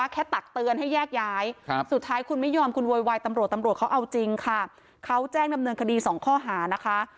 เขาแจ้งดำเนินคดี๒ข้อหานะคะ